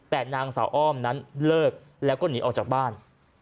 แต่นางสาวอ้อมนั้นเลิกแล้วก็หนีออกจากบ้าน